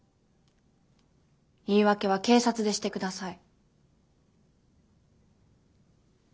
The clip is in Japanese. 言い訳は警察でして下さい。